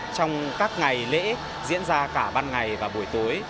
trong các ngày lễ diễn ra cả ban ngày và buổi tối